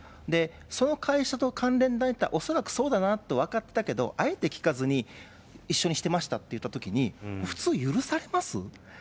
その会社と関連団体、恐らくそうだなと分かってたけど、あえて聞かずに一緒にしてましたっていったときに、普通許されます？